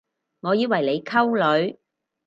我以為你溝女